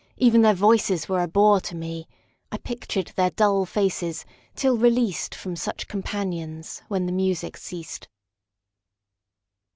Even their voices were a bore to me; I pictured their dull faces, till released From such companions, when the music ceased.